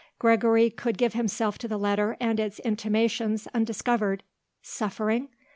Gregory could give himself to the letter and its intimations undiscovered. Suffering?